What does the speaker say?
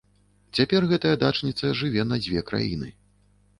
Цяпер гэтая дачніца жыве на дзве краіны.